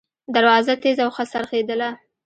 دروازه تېزه وڅرخېدله.